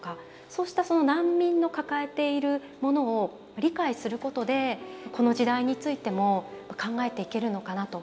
そうしたその難民の抱えているものを理解することでこの時代についても考えていけるのかなと。